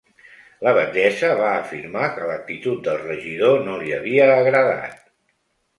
La batllessa va afirmar que l’actitud del regidor no li havia agradat.